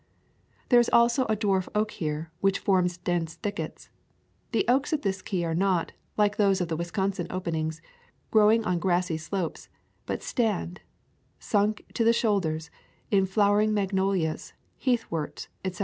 There is also a dwarf oak here, which forms dense thickets. The oaks of this key are not, like those of the Wisconsin openings, growing on grassy slopes, but stand, sunk to the shoul ders, in flowering magnolias, heathworts, etc.